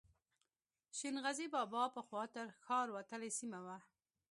شین غزي بابا پخوا تر ښار وتلې سیمه وه.